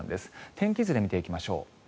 天気図で見ていきましょう。